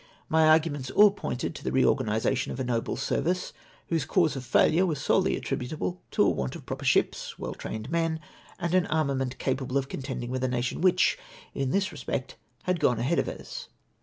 My arguments all pointed to the reorganisation of a noble service whose cause of failure was solely attri butable to a w^ant of proper ships, well trained men, and an armament capable of contending with a nation which, in this respect, had gone ahead of us.